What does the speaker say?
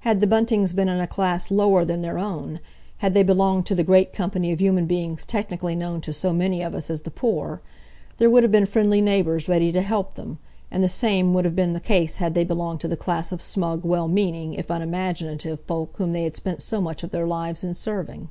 Had the Buntings been in a class lower than their own, had they belonged to the great company of human beings technically known to so many of us as the poor, there would have been friendly neighbours ready to help them, and the same would have been the case had they belonged to the class of smug, well meaning, if unimaginative, folk whom they had spent so much of their lives in serving.